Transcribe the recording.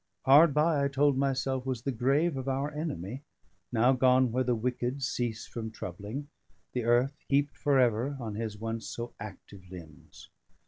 Hard by, I told myself, was the grave of our enemy, now gone where the wicked cease from troubling, the earth heaped for ever on his once so active limbs.